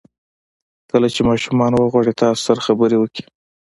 کله چې ماشومان وغواړي تاسو سره خبرې وکړي.